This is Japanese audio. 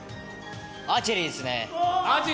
アーチェリーですね。